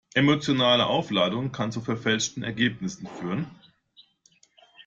Emotionale Aufladung kann zu verfälschten Ergebnissen führen.